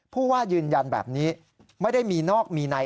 ผู้ว่ายืนยันแบบนี้ไม่ได้มีนอกมีใน